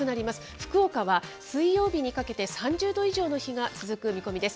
福岡は水曜日にかけて３０度以上の日が続く見込みです。